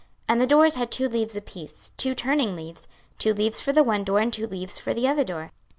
26:041:024 And the doors had two leaves apiece, two turning leaves; two leaves for the one door, and two leaves for the other door.